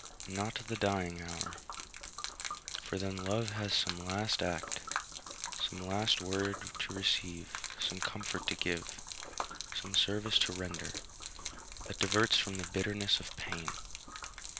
Not the dying hour; for then love has some last act, some last word to receive, some comfort to give, some service to render, that diverts from the bitterness of pain.